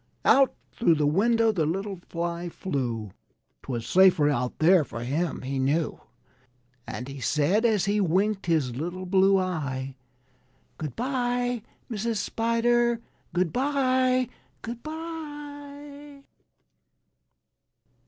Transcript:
Out thro' the window the little Fly flew; 'Twas safer out there for him, he knew. And he said, as he winked his little blue eye: "Good by, Mrs. Spider; good by, good by!"